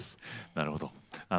なるほど。